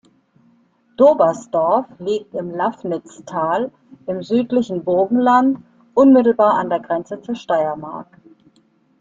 Dobersdorf liegt im Lafnitztal im südlichen Burgenland unmittelbar an der Grenze zur Steiermark.